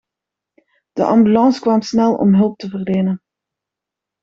De ambulance kwam snel om hulp te verlenen.